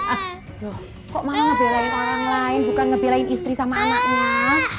aduh kok malah ngebelain orang lain bukan ngebelain istri sama anaknya